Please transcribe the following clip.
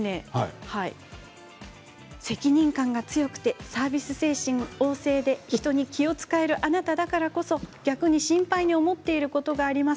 「責任感が強くてサービス精神旺盛で人に気を遣えるあなただからこそ逆に心配に思っていることがあります。